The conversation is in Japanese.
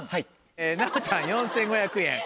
奈央ちゃん４５００円。